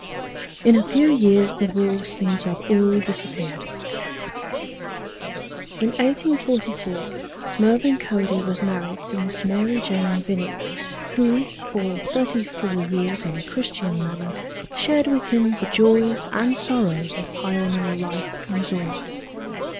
In a few years the wolves seemed to have all disappeared. In 1844 Mervin Cody was married to Miss Mary Jane Vining, who for thirty four years in a Christian manner shared with him the joys and sorrows of pioneer life in Zorra.